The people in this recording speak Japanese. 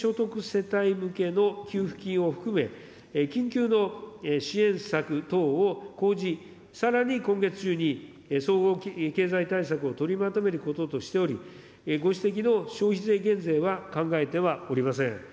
世帯向けの給付金を含め、緊急の支援策等を講じ、さらに今月中に総合経済対策を取りまとめることとしており、ご指摘の消費税減税は考えてはおりません。